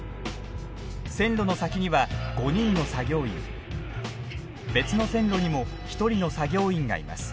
線路の先には５人の作業員別の線路にも１人の作業員がいます。